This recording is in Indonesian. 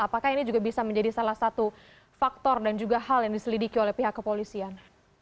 apakah ini juga bisa menjadi salah satu faktor dan juga hal yang diselidiki oleh pihak kepolisian